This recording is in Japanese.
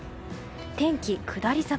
天気、下り坂。